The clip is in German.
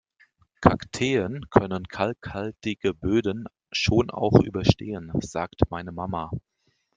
Kakteen können kalkhaltige Böden schon auch überstehen, sagt meine Mama.